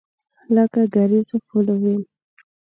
لکه ګریزوفولوین.